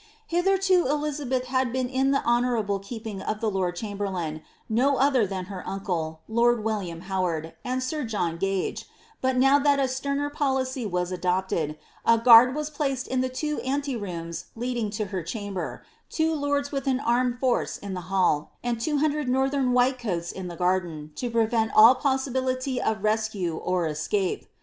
Hitherto Elizabeth had been in the hon ooimble keeping of the lord chamberlain, no other than her uncle, lord William Howard, and sir John Gage, but now that a sterner policy was adcpced^ a guard was placed in the two ante rooms leading to her cham ber, two lords with an armed force in the hall, and two hundred Northern white coats in the garden, to prevent all possibility of rescue or escape.